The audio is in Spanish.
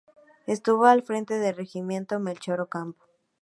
Estuvo al frente del Regimiento "Melchor Ocampo".